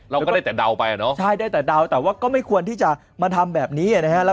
เราก็ได้แต่เดาไปอ่ะเนาะใช่ได้แต่เดาแต่ว่าก็ไม่ควรที่จะมาทำแบบนี้นะฮะ